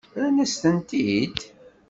Rrant-asent-tent-id?